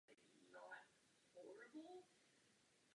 Ne vždy je to však možné.